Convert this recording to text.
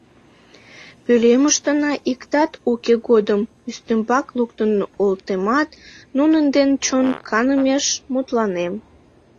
Пӧлемыштына иктат уке годым, ӱстембак луктын олтемат, нунын дене чон канымеш мутланем.